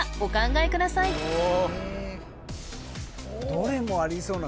どれもありそうな